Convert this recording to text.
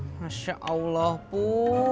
masya allah pur pur